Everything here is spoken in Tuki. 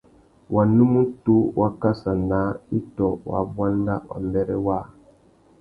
Wanúmútú wá kassa naā itô wa buanda mbêrê waā.